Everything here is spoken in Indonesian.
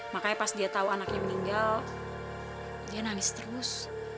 makanya pas dia tahu anaknya meninggal dia nangis terus